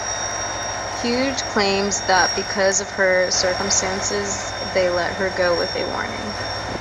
Hughes claims that, because of her circumstances, they let her go with a warning.